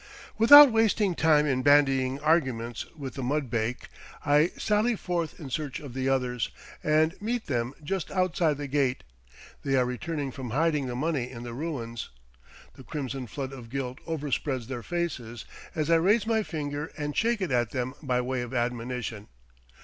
Without wasting time in bandying arguments with the mudbake, I sally forth in search of the others, and meet them just outside the gate; they are returning from hiding the money in the ruins. The crimson flood of guilt overspreads their faces as I raise my finger and shake it at them by way of admonition.